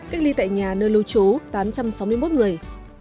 cách ly tại nhà nơi lưu trú tám trăm sáu mươi một người